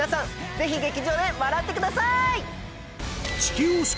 ぜひ劇場で笑ってください！